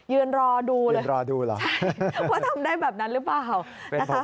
ยืนรอดูเลยใช่เพราะทำได้แบบนั้นหรือเปล่านะคะยืนรอดูหรอ